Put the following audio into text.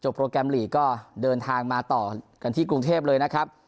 โปรแกรมลีกก็เดินทางมาต่อกันที่กรุงเทพเลยนะครับ